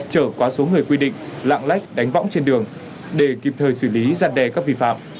trở quá số người quy định lạng lách đánh võng trên đường để kịp thời xử lý giặt đè các vi phạm